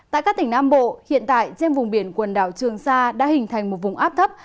tại các tỉnh nam bộ hiện tại trên vùng biển quần đảo trường sa đã hình thành một vùng áp thấp